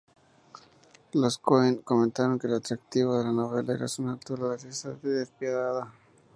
Los Coen comentaron que el atractivo de la novela es su "naturaleza despiadada".